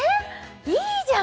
いいじゃん！